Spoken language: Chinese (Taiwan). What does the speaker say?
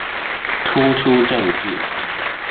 突出政治